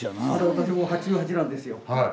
私も８８なんですよ。